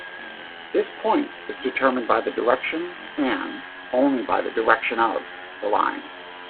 This point is determined by the direction-and only by the direction-of the line.